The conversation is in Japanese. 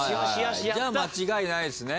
じゃあ間違いないっすね。